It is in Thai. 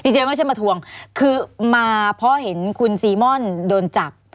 เจ๊ไม่ใช่มาทวงคือมาเพราะเห็นคุณซีม่อนโดนจับ